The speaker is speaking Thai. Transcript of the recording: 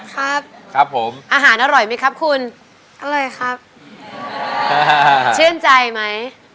ครับครับผมอาหารอร่อยไหมครับคุณอร่อยครับชื่นใจไหม